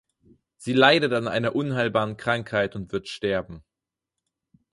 Sie leidet an einer unheilbaren Krankheit und wird sterben.